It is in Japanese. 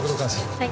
はい。